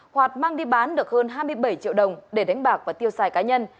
hoạt mang đi bán được hơn hai mươi bảy triệu đồng để đánh bạc và tiêu xài cá nhân